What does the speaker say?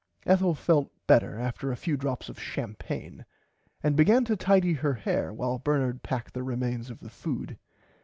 Ethel felt better after a few drops of champagne and began to tidy her hair while Bernard packed the remains of the food.